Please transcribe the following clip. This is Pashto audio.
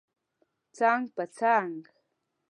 څنګ پر څنګ